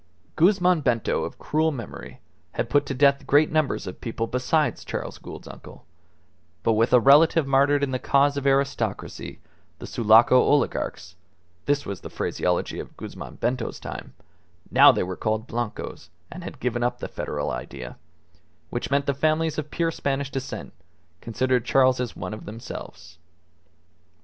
Guzman Bento of cruel memory had put to death great numbers of people besides Charles Gould's uncle; but with a relative martyred in the cause of aristocracy, the Sulaco Oligarchs (this was the phraseology of Guzman Bento's time; now they were called Blancos, and had given up the federal idea), which meant the families of pure Spanish descent, considered Charles as one of themselves.